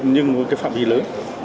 nhưng với cái phạm vi lớn